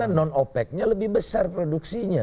karena non opec nya lebih besar produksinya